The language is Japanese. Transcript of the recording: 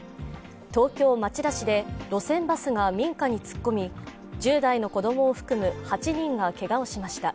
東京・町田市で路線バスが民家に突っ込み、１０代の子供を含む８人がけがをしました。